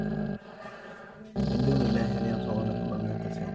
مِنْ دُونِ اللَّهِ هَلْ يَنْصُرُونَكُمْ أَوْ يَنْتَصِرُونَ